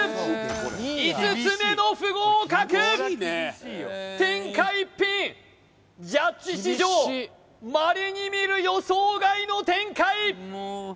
５つ目の不合格天下一品ジャッジ史上まれにみる予想外の展開